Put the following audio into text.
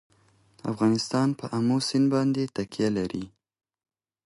افغانستان په آمو سیند باندې تکیه لري.